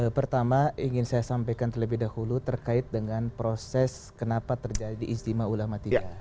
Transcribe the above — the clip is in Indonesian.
pertama ingin saya sampaikan terlebih dahulu terkait dengan proses kenapa terjadi ijtima ulama tiga